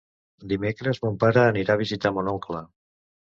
Dimecres mon pare anirà a visitar mon oncle.